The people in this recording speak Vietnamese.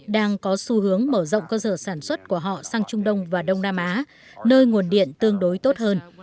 đang có xu hướng mở rộng cơ sở sản xuất của họ sang trung đông và đông nam á nơi nguồn điện tương đối tốt hơn